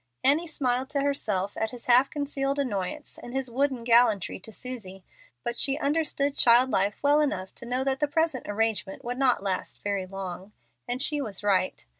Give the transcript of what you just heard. Annie smiled to herself at his half concealed annoyance and his wooden gallantry to Susie, but she understood child life well enough to know that the present arrangement would not last very long. And she was right.